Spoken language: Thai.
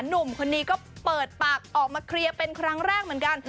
หนุ่มคนนี้ก็เปิดปากออกมาเคลียร์เป็นครั้งแรกเหมือนกัน